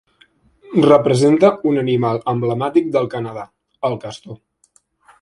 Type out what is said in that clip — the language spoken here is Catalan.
Representa un animal emblemàtic del Canadà: el castor.